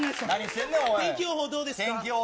天気予報どうですか。